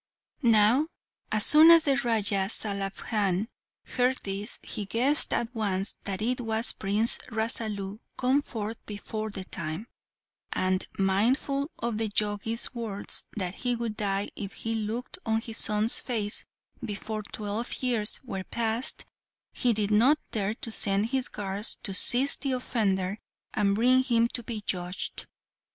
Now, as soon as Rajah Salabhan heard this, he guessed at once that it was Prince Rasalu come forth before the time, and, mindful of the Jogis' words that he would die if he looked on his son's face before twelve years were past, he did not dare to send his guards to seize the offender and bring him to be judged.